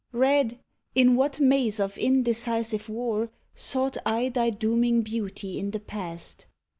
Red, in what maze of indecisive war, Sought I thy dooming beauty in the past?